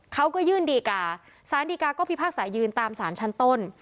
เขาก็ยื่นดีการ์สารดีกาก็พิพากษายืนตามสารชั้นต้น